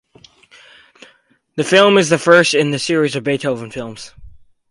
The film is the first in the series of "Beethoven" films.